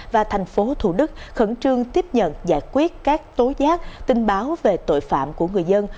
và thành phố thủ đức khẩn trương tiếp nhận giải quyết các tố giác tin báo về tội phạm của người dân